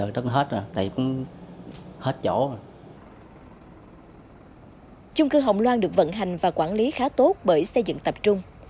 trung cư hồng loan được vận hành và quản lý khá tốt bởi xây dựng tập trung